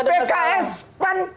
eh pks kan